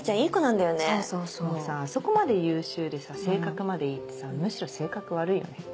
でもさあそこまで優秀でさ性格までいいってさむしろ性格悪いよね。